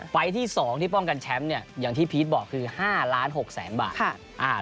ไฟล์ต์ที่๒ที่ป้องกันแชมป์เนี่ยอย่างที่พีทบอกคือ๕๖๐๐๐๐๐บาท